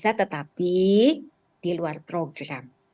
bisa tetapi di luar program